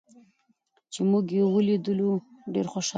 چې موږ یې ولیدو، ډېر خوشحاله شو.